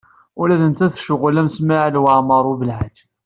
Ula d nettat tecɣel am Smawil Waɛmaṛ U Belḥaǧ.